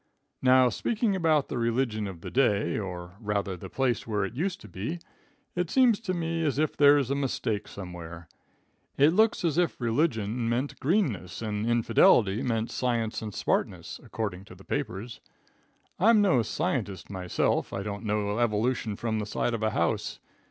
"Now, speaking about the religion of the day, or, rather, the place where it used to be, it seems to me as if there's a mistake somewhere. It looks as if religion meant greenness, and infidelity meant science and smartness, according to the papers. I'm no scientist myself. I don't know evolution from the side of a house.